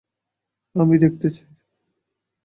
আমি দেখতে চাই।